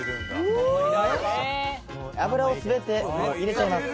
油を全て入れちゃいます。